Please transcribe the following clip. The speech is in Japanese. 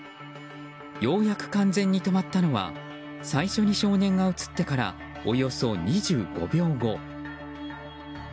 ようやく完全に止まったのは最初に少年が映ってからおよそ２５秒後。